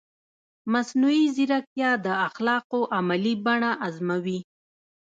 مصنوعي ځیرکتیا د اخلاقو عملي بڼه ازموي.